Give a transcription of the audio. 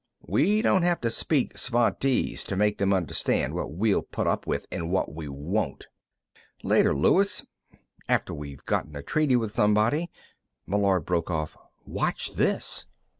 We don't have to speak Svantese to make them understand what we'll put up with and what we won't." "Later, Luis. After we've gotten a treaty with somebody." Meillard broke off. "Watch this!"